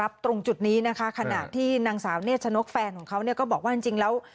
ตรงจุดนี้นะคะขณะที่นางสาวเนชนกแฟนของเขาเนี่ยก็บอกว่าจริงแล้ว